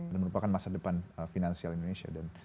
dan merupakan masa depan finansial indonesia